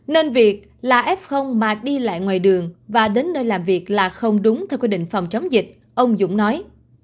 nên việc là f mà đi lại ngoài đường và đến nơi làm việc là không đúng theo quy định phòng chống dịch ông dũng nói